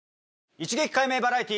一撃解明バラエティ。